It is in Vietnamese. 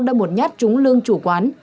đâm một nhát trúng lưng chủ quán